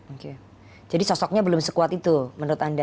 oke jadi sosoknya belum sekuat itu menurut anda